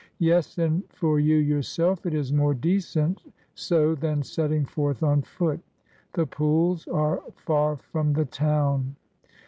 Yes, and for you yourself it is more decent so than setting forth on foot ; the pools are far from the town."